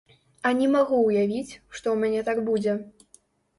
А не магу ўявіць, што ў мяне так будзе.